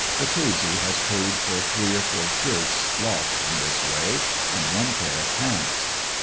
Battese has paid for three or four shirts lost in this way, and one pair of pants.